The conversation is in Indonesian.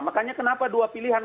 makanya kenapa dua pilihan